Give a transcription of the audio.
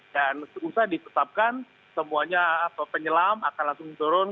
dan usai ditetapkan semuanya atau penyelam akan langsung turun